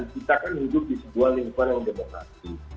kita kan hidup di sebuah lingkungan yang demokrasi